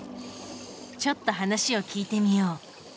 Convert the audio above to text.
ちょっと話を聞いてみよう。